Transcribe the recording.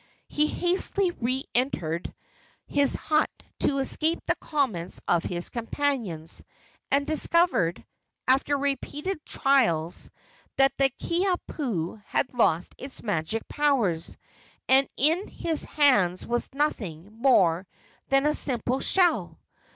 He hastily re entered his hut to escape the comments of his companions, and discovered, after repeated trials, that the Kiha pu had lost its magic powers, and in his hands was nothing more than a simple shell.